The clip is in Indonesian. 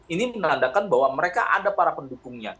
ini menandakan bahwa mereka ada para pendukungnya